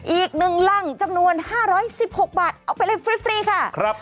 อีก๑รังจำนวน๕๑๖บาทเอาไปเลยฟรีค่ะ